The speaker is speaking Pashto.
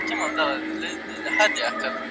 شمس الدینه ډېر بې قدره قندهار دی شمس الدین کاکړ